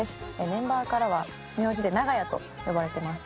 メンバーからは名字で長屋と呼ばれてます。